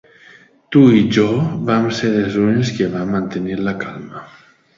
Tu i jo vam ser els únics que vam mantenir la calma.